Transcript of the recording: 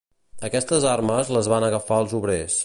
Aquestes armes les van agafar els obrers.